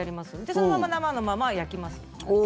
そのまま生のまま焼きます。